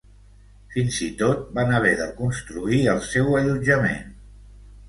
Fins i tot van haver de construir el seu allotjament.